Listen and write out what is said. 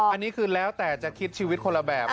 อันนี้คือแล้วแต่จะคิดชีวิตคนละแบบ